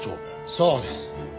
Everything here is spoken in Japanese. そうです。